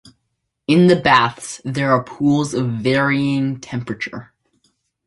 In the baths there are pools of varying temperature.